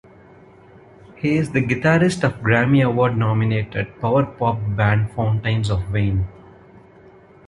He is the guitarist of Grammy Award-nominated power pop band Fountains of Wayne.